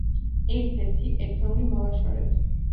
ერთ-ერთი ერთეული მოვაშორეთ.